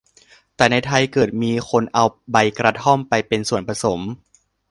แต่ในไทยเกิดมีคนเอาใบกระท่อมไปเป็นส่วนผสม